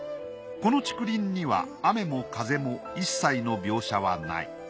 この竹林には雨も風も一切の描写はない。